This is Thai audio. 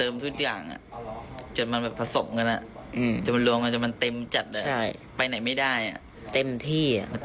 มันแบบผสมกันอ่ะอืมจนมันรวมกันจนมันเต็มจัดอ่ะใช่ไปไหนไม่ได้อ่ะเต็มที่อ่ะ